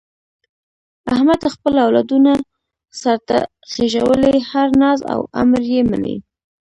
احمد خپل اولادونه سرته خېژولي، هر ناز او امر یې مني.